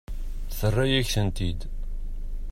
Terra-yak-tent-id.